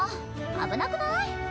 危なくない？